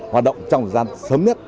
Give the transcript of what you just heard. hoạt động trong thời gian sớm nhất